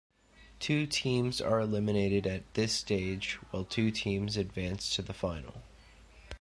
Two teams are eliminated at this stage, while two teams advance to the final.